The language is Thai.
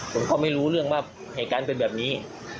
ผมก็ไม่รู้เรื่องว่าเหตุการณ์เป็นแบบนี้